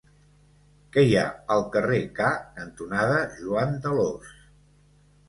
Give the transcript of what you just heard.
Què hi ha al carrer K cantonada Joan d'Alòs?